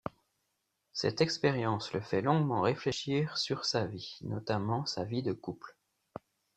Cette expérience le fait longuement réfléchir sur sa vie, notamment sa vie de couple.